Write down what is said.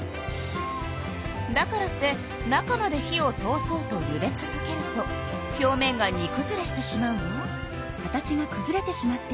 だからって中まで火を通そうとゆで続けると表面がにくずれしてしまうわ。